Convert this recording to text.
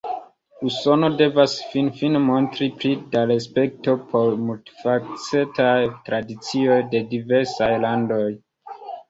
Usono devas finfine montri pli da respekto por multfacetaj tradicioj de diversaj landoj.